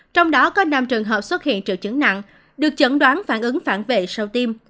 trong đó có năm trường hợp xuất hiện triệu chứng nặng được chẩn đoán phản ứng phản vệ sau tiêm